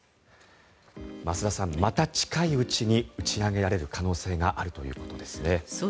増田さん、また近いうちに打ち上げられる可能性があるということですね。